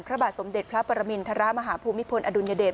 พระบาทสมเด็จพระปรมินทรมาฮภูมิพลอดุลยเดช